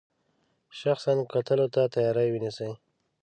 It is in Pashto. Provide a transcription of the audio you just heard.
شخصا کتلو ته تیاری ونیسي.